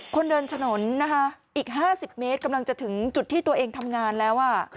คนเดินถนนนะคะอีก๕๐เมตรกำลังจะถึงจุดที่ตัวเองทำงานแล้ว